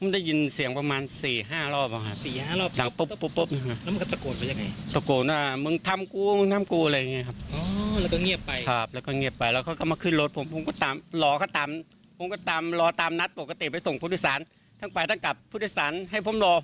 ได้คุยกับนายมงคล